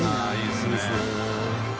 いいですね。